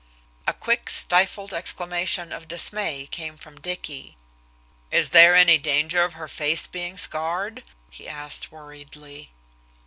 A quick, stifled exclamation of dismay came from Dicky. "Is there any danger of her face being scarred?" he asked worriedly.